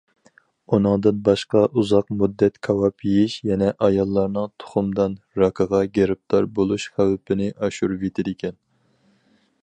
ئۇنىڭدىن باشقا، ئۇزاق مۇددەت كاۋاپ يېيىش يەنە ئاياللارنىڭ تۇخۇمدان راكىغا گىرىپتار بولۇش خەۋپىنى ئاشۇرۇۋېتىدىكەن.